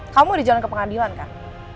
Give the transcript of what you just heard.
kamu di jalan ke pengadilan kan